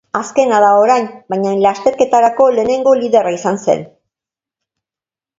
Azkena da orain, baina lasterketako lehenengo liderra izan zen.